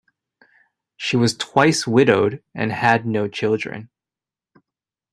She was twice widowed, and had no children.